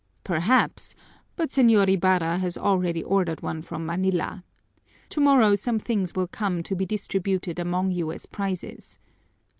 "Perhaps, but Señor Ibarra has already ordered one from Manila. Tomorrow some things will come to be distributed among you as prizes.